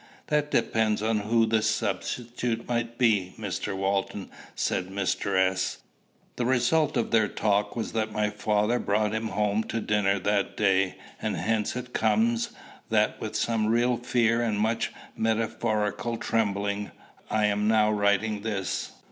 "That depends on who the substitute might be, Mr. Walton," said Mr. S. The result of their talk was that my father brought him home to dinner that day; and hence it comes, that, with some real fear and much metaphorical trembling, I am now writing this.